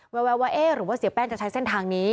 แววว่าเอ๊ะหรือว่าเสียแป้งจะใช้เส้นทางนี้